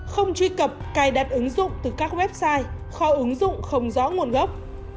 không truy cập cài đặt ứng dụng từ các website kho ứng dụng không rõ nguồn gốc